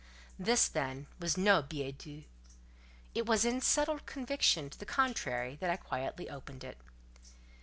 This then was no billet doux; and it was in settled conviction to the contrary that I quietly opened it.